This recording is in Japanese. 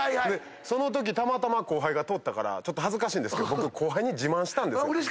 そのときたまたま後輩が通ったからちょっと恥ずかしいんですけど僕後輩に自慢したんですよ。